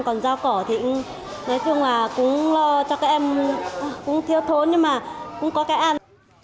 còn rau cỏ thì nói chung là cũng lo cho các em cũng thiếu thốn nhưng mà cũng có cái ăn